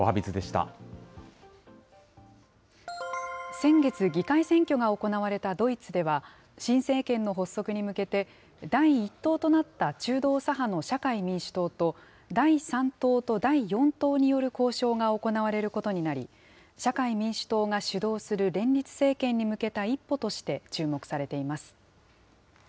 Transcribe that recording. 先月、議会選挙が行われたドイツでは、新政権の発足に向けて、第１党となった中道左派の社会民主党と、第３党と第４党による交渉が行われることになり、社会民主党が主導する連立政権に向けた一歩として注目されています。